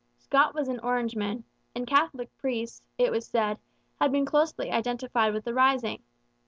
Scott was an Orangeman; and Catholic priests, it was said, had been closely identified with the rising.